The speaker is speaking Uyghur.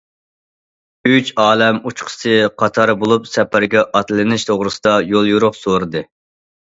ئۈچ ئالەم ئۇچقۇچىسى قاتار بولۇپ سەپەرگە ئاتلىنىش توغرىسىدا يوليورۇق سورىدى.